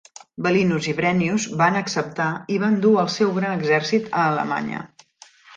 Belinus i Brennius van acceptar i van dur el seu gran exèrcit a Alemanya.